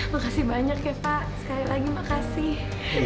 makasih banyak ya pak sekali lagi makasih